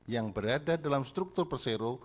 yang berada dalam struktur persero